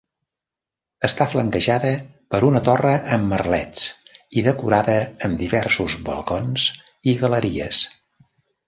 Està flanquejada per una torre amb merlets i decorada amb diversos balcons i galeries.